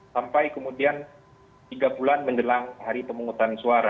sampai kemudian tiga bulan menjelang hari pemungutan suara